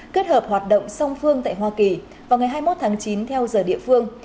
kết hợp hoạt động song phương tại hoa kỳ vào ngày hai mươi một tháng chín theo giờ địa phương